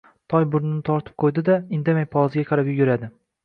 Toy burnini tortib qo‘yadi-da, indamay polizga qarab yuguradi.